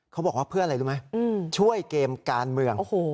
เขาบอกว่าเพื่ออะไรรู้ไหมช่วยเกมการเมือง